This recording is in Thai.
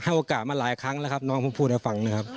โอกาสมาหลายครั้งแล้วครับน้องผมพูดให้ฟังนะครับ